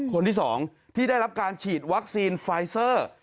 คนที่๒ที่ได้รับการฉีดวัคซีนไฟเซอร์